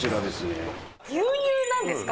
牛乳なんですか？